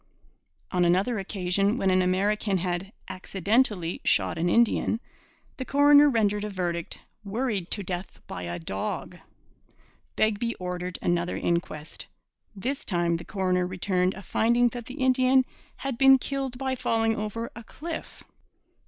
On another occasion, when an American had 'accidentally' shot an Indian, the coroner rendered a verdict 'worried to death by a dog.' Begbie ordered another inquest. This time the coroner returned a finding that the Indian 'had been killed by falling over a cliff.'